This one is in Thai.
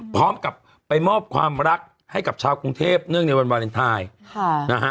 พร้อมกับไปมอบความรักให้กับชาวกรุงเทพเนื่องในวันวาเลนไทยนะฮะ